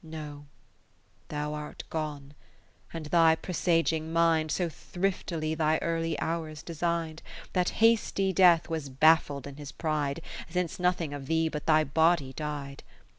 (530) No, thou art gone, and thy presaging mind So thriftily thy early hours de sign'd. That hasty Death was baffled in his pride. Since nothing of thee but thy body di'd.